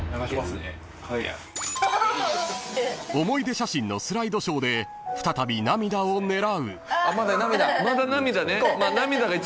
［思い出写真のスライドショーで再び涙を狙う］